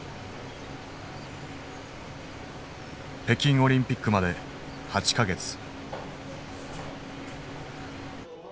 北京オリンピックまで８か月。